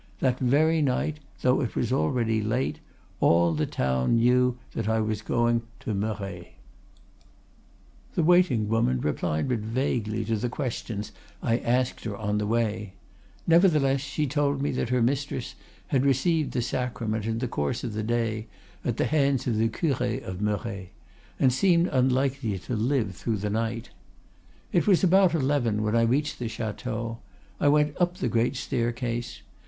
That very night, though it was already late, all the town knew that I was going to Merret. "'The waiting woman replied but vaguely to the questions I asked her on the way; nevertheless, she told me that her mistress had received the Sacrament in the course of the day at the hands of the Curé of Merret, and seemed unlikely to live through the night. It was about eleven when I reached the chateau. I went up the great staircase.